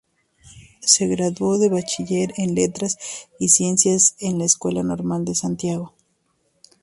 Se graduó de bachiller en Letras y Ciencias en la Escuela Normal de Santiago.